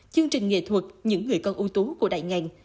chương trình nghệ thuật những người con ưu tú của đại ngàn